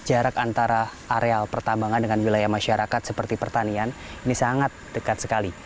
jarak antara areal pertambangan dengan wilayah masyarakat seperti pertanian ini sangat dekat sekali